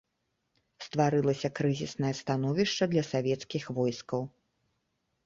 Стварылася крызіснае становішча для савецкіх войскаў.